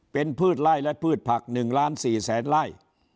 เป็นพืชไร่และพืชผัก๑๔๐๐๐๐๐ไร่